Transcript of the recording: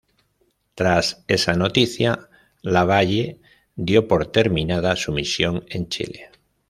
Tras esa noticia, Lavalle dio por terminada su misión en Chile.